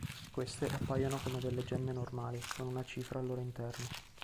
Queste appaiono come delle gemme Normali con una cifra al loro interno.